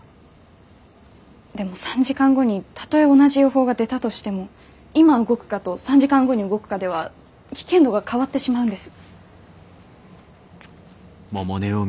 でも３時間後にたとえ同じ予報が出たとしても今動くかと３時間後に動くかでは危険度が変わってしまうんです。